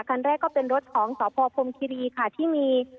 คันแรกก็เป็นรถของสพพรมคิรีค่ะที่มี